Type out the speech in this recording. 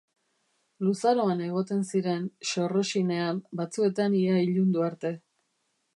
Luzaroan egoten ziren xorroxinean, batzuetan ia ilundu arte.